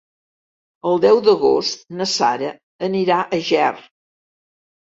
El deu d'agost na Sara anirà a Ger.